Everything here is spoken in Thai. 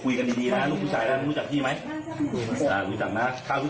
รู้จักพี่ไหมรู้จักนะถ้ารู้จักให้คุยดีนะ